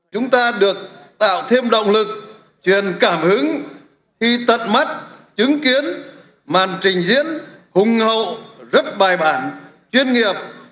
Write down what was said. chúng ta được tạo thêm động lực truyền cảm hứng khi tận mắt chứng kiến màn trình diễn hùng hậu rất bài bản chuyên nghiệp